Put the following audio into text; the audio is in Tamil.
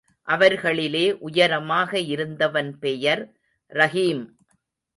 அவர்களிலே உயரமாக இருந்தவன் பெயர் ரஹீம்.